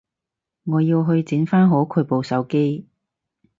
我要去整返好佢部手機